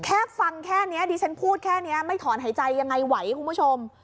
แค่ฟังแค่นี้ดิฉันพูดแค่นี้ไม่ถอนหายใจยังไงไหวคุณผู้ชม